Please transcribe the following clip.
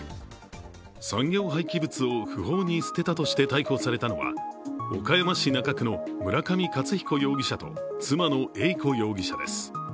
産業廃棄物を不法に捨てたとして逮捕されたのは岡山市中区の村上勝彦容疑者と妻の英子容疑者です。